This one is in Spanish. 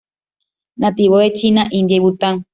Nativo de China, India y Bután.